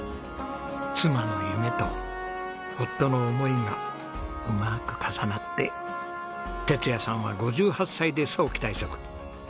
妻の夢と夫の思いがうまく重なって哲也さんは５８歳で早期退職。